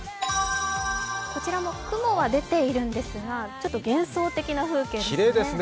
こちらも雲は出ているんですが、幻想的な風景ですね。